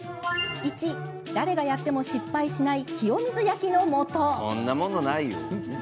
１・誰がやっても失敗しない清水焼のもと。